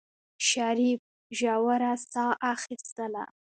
شريف ژوره سا اخېستله.